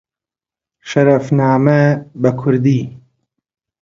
شەرەفنامە بە کوردی